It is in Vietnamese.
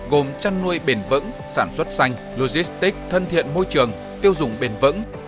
gồm chăn nuôi bền vững sản xuất xanh logistic thân thiện môi trường tiêu dùng bền vững